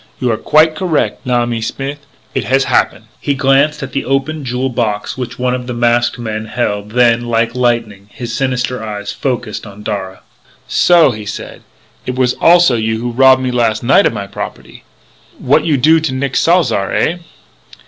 You are quite correc', l'ami Smith. It has happen." He glanced at the open jewel box which one of the masked men held, then, like lightning, his sinister eyes focussed on Darragh. "So," he said, "it was also you who rob me las' night of my property.... What you do to Nick Salzar, eh?"